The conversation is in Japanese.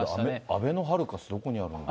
あべのハルカス、どこにあるんだろう。